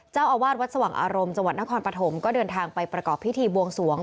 เจ้าอาวาสวัดสว่างอารมณ์จังหวัดนครปฐมก็เดินทางไปประกอบพิธีบวงสวง